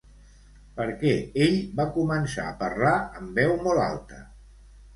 Per què ell va començar a parlar en veu molt alta?